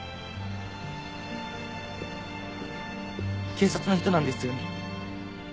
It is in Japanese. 警察の人なんですよね？